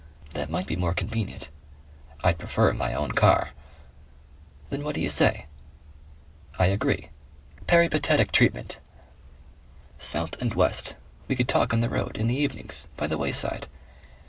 "That might be more convenient." "I'd prefer my own car." "Then what do you say?" "I agree. Peripatetic treatment." "South and west. We could talk on the road. In the evenings. By the wayside.